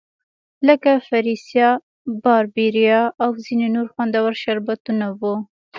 لکه فریسا، باربیرا او ځیني نور خوندور شربتونه وو.